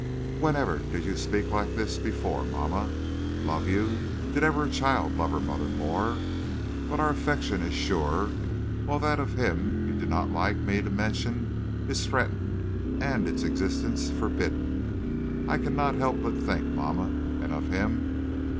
Whenever did you speak like this before, mamma? Love you! Did ever a child love her mother more? But our affection is sure, while that of him you do not like me to mention is threatened, and its existence forbidden. I cannot help but think, mamma, and of him.